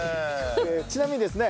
ちなみにですね